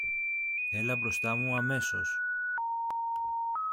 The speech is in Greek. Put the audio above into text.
Έλα μπροστά μου, αμέσως!